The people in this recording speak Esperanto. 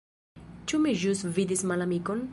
Ĉu mi ĵus vidis malamikon?